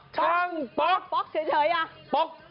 ช่างป๊อก